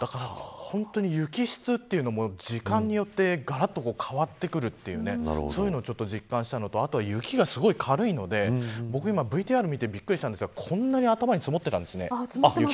本当に雪質というのも時間によってがらっと変わってくるというそういうのを実感したのと雪がすごい軽いので今、ＶＴＲ見てびっくりしたんですか、こんなに頭に積もってたんですね。